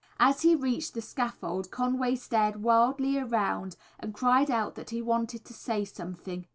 As he reached the scaffold Conway stared wildly around and cried out that he wanted to say something.